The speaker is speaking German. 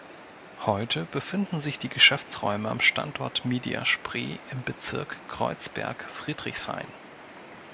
Heute befinden sich die Geschäftsräume am Standort Mediaspree im Bezirk Kreuzberg-Friedrichshain.